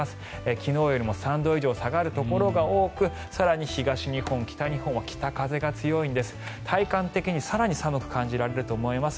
昨日よりも３度以上下がるところが多く更に東日本、北日本は北風が強いんです。